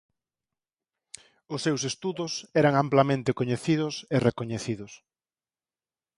Os seus estudos eran amplamente coñecidos e recoñecidos.